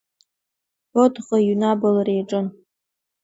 Бодӷо иҩны абыльра иаҷын.